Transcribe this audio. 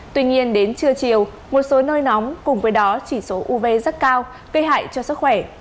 tuy nhiên đến trưa chiều một số nơi nóng cùng với đó chỉ số uv rất cao gây hại cho sức khỏe